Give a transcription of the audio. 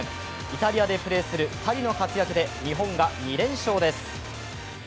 イタリアでプレーする２人の活躍で日本が２連勝です。